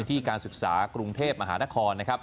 นี่คือบุษลิกรรมของครูครับ